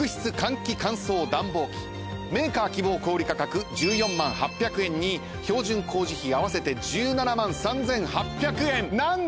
メーカー希望小売価格１４万８００円に標準工事費合わせて１７万３，８００円なんですが！